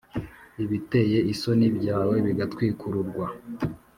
ibiteye isoni byawe bigatwikururwa